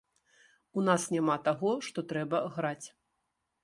У нас няма таго, што трэба граць.